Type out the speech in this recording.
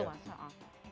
berapa itu mas